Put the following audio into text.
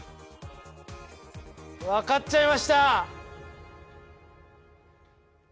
分かっちゃいました！